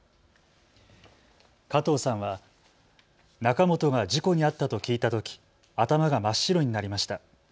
加藤さんは仲本が事故に遭ったと聞いたとき頭が真っ白になりました。